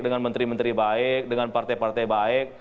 dengan menteri menteri baik dengan partai partai baik